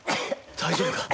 大丈夫か？